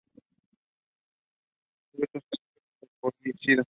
Frutos en cápsula loculicida.